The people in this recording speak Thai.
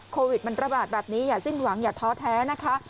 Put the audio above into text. โควิดมันระบาดแบบนี้อย่าสิ้นหวังอย่าท้อแท้นะคะ